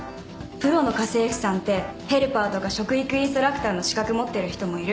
プロの家政婦さんってヘルパーとか食育インストラクターの資格持ってる人もいる。